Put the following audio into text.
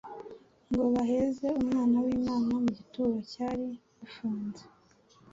ngo baheze Umwana w'Imana mu gituro cyari gifunze.